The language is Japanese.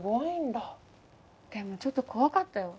でもちょっと怖かったよ。